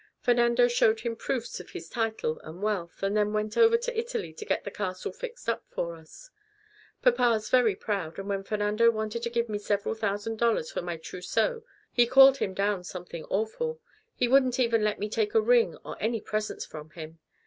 Fernando showed him proofs of his title and wealth, and then went over to Italy to get the castle fixed up for us. Papa's very proud, and when Fernando wanted to give me several thousand dollars for my trousseau he called him down something awful. He wouldn't even let me take a ring or any presents from him.